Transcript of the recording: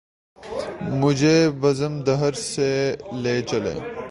مجھے بزم دہر سے لے چلے